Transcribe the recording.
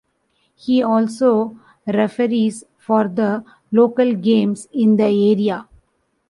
He also referees for the local games in the area.